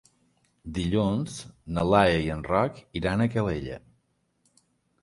Dilluns na Laia i en Roc iran a Calella.